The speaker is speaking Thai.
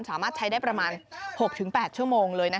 สามารถใช้ได้ประมาณ๖๘ชั่วโมงเลย